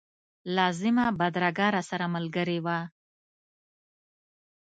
لازمه بدرګه راسره ملګرې وه.